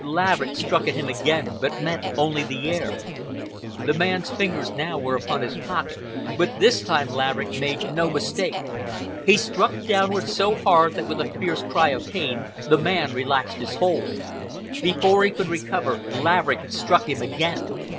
Laverick struck at him again but met only the air. The man's fingers now were upon his pocket, but this time Laverick made no mistake. He struck downward so hard that with a fierce cry of pain the man relaxed his hold. Before he could recover, Laverick had struck him again.